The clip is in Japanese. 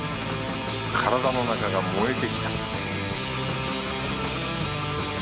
体の中が燃えてきた